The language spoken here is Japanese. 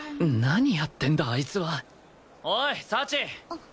何やってんだあいつはおい幸！